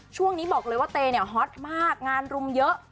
ช่วงนี้บอกเลยว่าเตยเนี่ยฮอตมากงานรุมเยอะ